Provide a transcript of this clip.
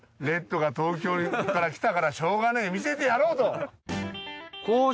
レッドが東京から来たからしようがねえ見せてやろうと。